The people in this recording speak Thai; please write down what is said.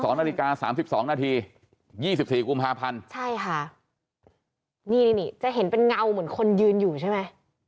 ๒๒นาฬิกา๓๒นาที๒๔๐๕ใช่ค่ะนี่นี่นี่จะเห็นเป็นเงาเหมือนคนยืนอยู่ใช่ไหม